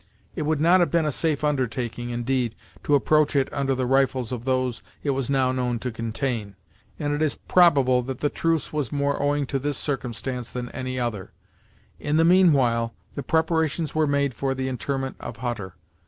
It would not have been a safe undertaking, indeed, to approach it under the rifles of those it was now known to contain, and it is probable that the truce was more owing to this circumstance than to any other. In the mean while the preparations were made for the interment of Hutter.